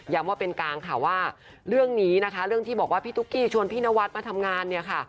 ว่าเป็นกลางค่ะว่าเรื่องนี้นะคะเรื่องที่บอกว่าพี่ตุ๊กกี้ชวนพี่นวัดมาทำงานเนี่ยค่ะ